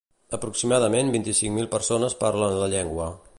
Aproximadament vint-i-cinc mil persones parlen la llengua.